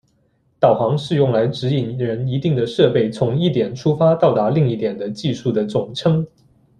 导航是用来指引人一定的设备从一点出发到达另一点的技术的总称。